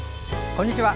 こんにちは。